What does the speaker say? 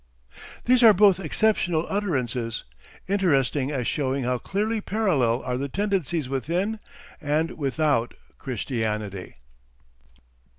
'" These are both exceptional utterances, interesting as showing how clearly parallel are the tendencies within and without Christianity.